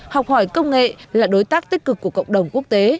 học hỏi công nghệ là đối tác tích cực của cộng đồng quốc tế